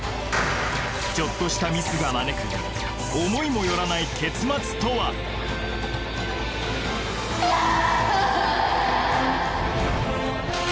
ちょっとしたミスが招く思いも寄らない結末とはいやー！